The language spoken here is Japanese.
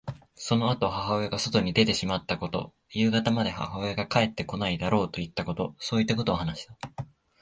そのあと母親が外に出てしまったこと、夕方まで母親が帰ってこないだろうといったこと、そういったことを話した。